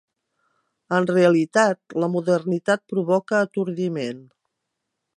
En realitat, la modernitat provoca atordiment.